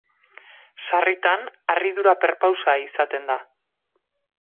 Sarritan harridura perpausa izaten da.